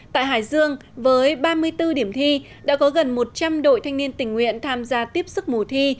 tại hải dương với ba mươi bốn điểm thi đã có gần một trăm linh đội thanh niên tình nguyện tham gia tiếp sức mùa thi